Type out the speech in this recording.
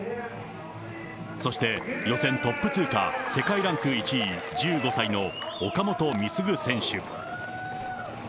そして予選トップ通過、世界ランク１位、１５歳の岡本碧優選手。